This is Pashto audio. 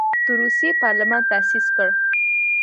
د روسیې پارلمان تاسیس کړ.